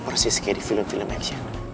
persis kayak di film film action